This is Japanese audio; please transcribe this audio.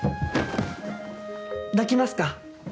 抱きますか？